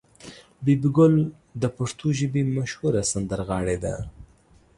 بي بي ګل د پښتو ژبې مشهوره سندرغاړې ده.